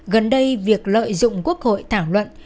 gần đây việc lợi dụng quốc hội thảo luận